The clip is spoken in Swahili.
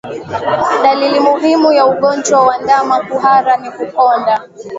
Dalili muhimu ya ugonjwa wa ndama kuhara ni kukonda